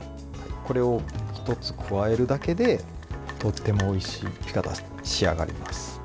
これを１つ加えるだけでとってもおいしいピカタに仕上がります。